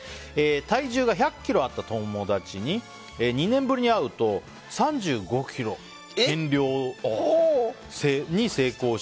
体重が１００ｋｇあった友達に２年ぶりに会うと３５ｋｇ減量に成功し。